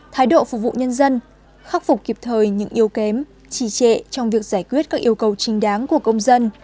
thái độ phục vụ nhân dân khắc phục kịp thời những yếu kém trì trệ trong việc giải quyết các yêu cầu trình đáng của công dân